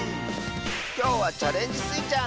きょうは「チャレンジスイちゃん」！